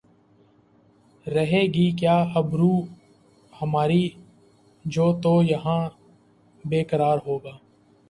رہے گی کیا آبرو ہماری جو تو یہاں بے قرار ہوگا